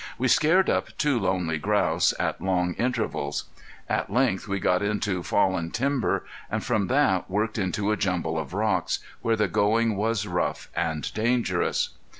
We scared up two lonely grouse, at long intervals. At length we got into fallen timber, and from that worked into a jumble of rocks, where the going was rough and dangerous.